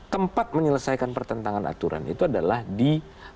tempat menyelesaikan pertentangan aturan itu adalah di